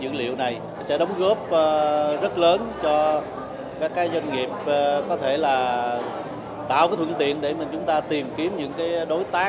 cơ sở dữ liệu này sẽ đóng góp rất lớn cho các doanh nghiệp có thể là tạo thượng tiện để chúng ta tìm kiếm những đối tác